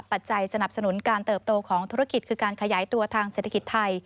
ปัจจัยสนับสนุนการเติบโตของธุรกิจคือการขยายตัวทางเศรษฐกิจไทย